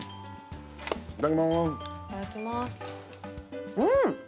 いただきます。